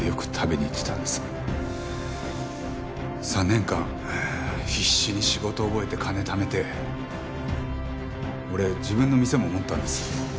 ３年間必死に仕事を覚えて金ためて俺自分の店も持ったんです。